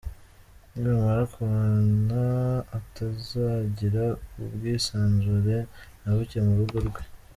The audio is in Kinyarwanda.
nibamara kubana atazagira ubwisanzure na buke mu rugo rwe.